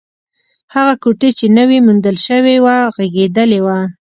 هغه کوټې چې نوې موندل شوې وه، غږېدلې وه.